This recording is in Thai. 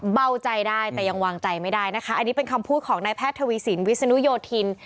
เบาใจได้แต่ยังวางใจไม่ได้นะคะอันนี้เป็นคำพูดของนายแพทย์ทวีสินวิศนุโยธิน